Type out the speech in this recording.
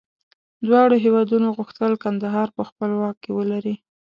دواړو هېوادونو غوښتل کندهار په خپل واک کې ولري.